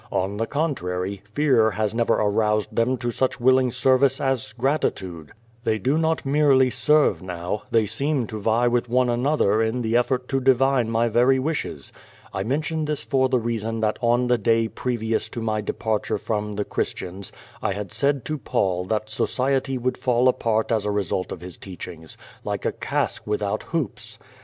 On the contrary^ fear has never aroused them to such willing 226 Q^^ VADI8, semcc as gratitude. They do not merely serve now, they seem to vie with one another in the effort to divine my very wishes. I mention this for the reason that on the day previous to my departure from the Christians I had said to Paul that society would fall apart as a result of his teachings, like a cask without hoops.